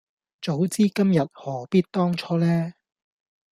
早知今日何必當初呢